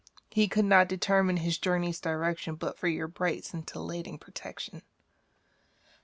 He could not determine his journey's direction But for your bright scintillating protection. .